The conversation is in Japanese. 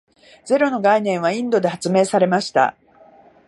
ゼロの概念はインドで発明されました。